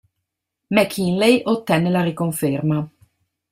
McKinley ottenne la riconferma.